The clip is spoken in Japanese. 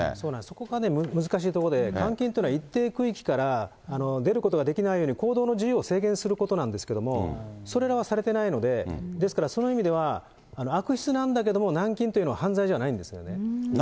そこが難しいところで、監禁というのは一定区域から出ることができないように、行動の自由を制限することなんですけれども、それらはされてないので、ですから、その意味では悪質なんだけれども、軟禁というのは犯罪じゃないんですね。